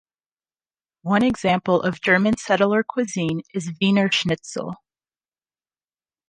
One example of German settler cuisine is Wiener schnitzel.